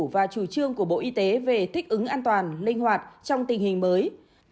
và chủ trương của bộ y tế về thích ứng an toàn linh hoạt trong tình hình mới